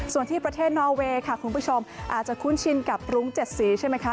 ส่วนที่ประเทศนอเวย์ค่ะคุณผู้ชมอาจจะคุ้นชินกับรุ้ง๗สีใช่ไหมคะ